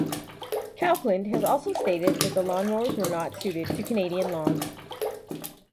Cowpland has also stated that the lawnmowers were not suited to Canadian lawns.